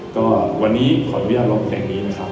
ก็วันนี้ขออนุญาตร้องเพลงนี้นะครับ